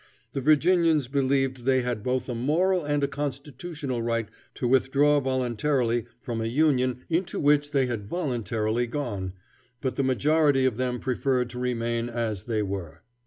The Virginians believed they had both a moral and a constitutional right to withdraw voluntarily from a Union into which they had voluntarily gone, but the majority of them preferred to remain as they were.